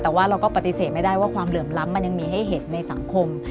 แต่ว่าเราก็ปฏิเสธไม่ได้ว่าความเหลื่อมล้ำมันยังมีให้เห็นในสังคม